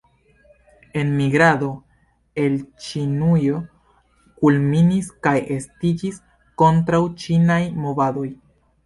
Enmigrado el Ĉinujo kulminis kaj estiĝis kontraŭ-ĉinaj movadoj.